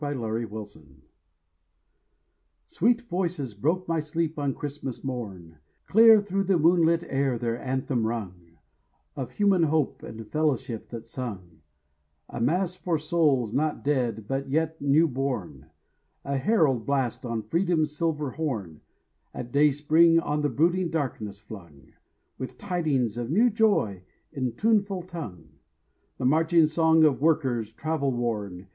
TO THE HAMMERSMITH CHOIR SWEET voices broke my sleep on Christmas morn; Clear through the moonlit air their anthem rung, Of human hope and fellowship that sung, A mass for souls not dead but yet new born, A herald blast on Freedom's silver horn, At dayspring on the brooding darkness flung, With tidings of new joy in tuneful tongue, The marching song of workers travel worn.